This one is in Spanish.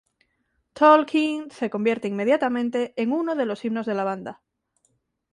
Tolkien se convierte inmediatamente en uno de los himnos de la banda.